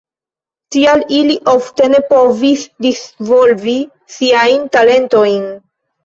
Tial ili ofte ne povis disvolvi siajn talentojn.